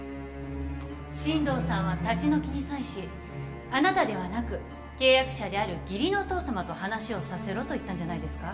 進藤さんは立ち退きに際しあなたではなく契約者である義理のお父さまと話をさせろと言ったんじゃないですか。